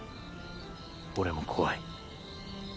俺も怖い。